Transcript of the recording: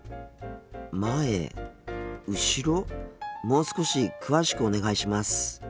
もう少し詳しくお願いします。